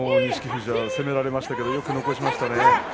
富士は攻められましたがよく残しましたね。